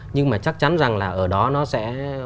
nhưng mà chắc chắn rằng là ở đó nó sẽ